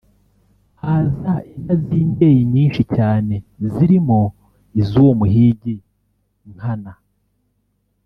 haza inka z’imbyeyi nyinshi cyane zirimo iz’uwo muhigi Nkana